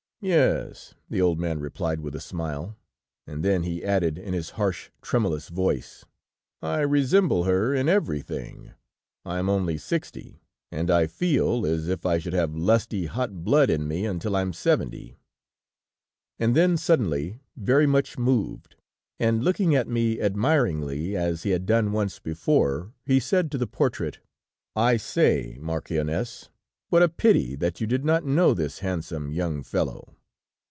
"'Yes,' the old man replied with a smile; and then he added in his harsh, tremulous voice: 'I resemble her in everything. I am only sixty, and I feel as if I should have lusty, hot blood in me until I am seventy.' "And then suddenly, very much moved, and looking at me admiringly, as he had done once before, he said to the portrait: "'I say, marchioness, what a pity that you did not know this handsome young fellow!'